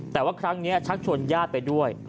แต่ว่าครั้งนี้ชักชวนญาติไปด้วย